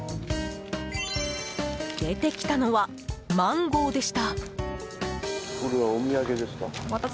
出てきたのは、マンゴーでした。